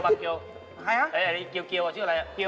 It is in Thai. ใครอะไอ้นี่เกลชื่ออะไรอะ